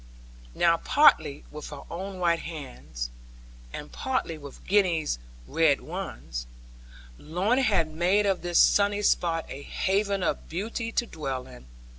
Now partly with her own white hands, and partly with Gwenny's red ones, Lorna had made of this sunny spot a haven of beauty to dwell in.